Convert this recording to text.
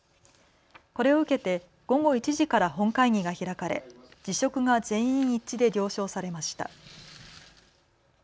これを受けて午後１時から本会議が開かれ辞職が全員一致で了承されました。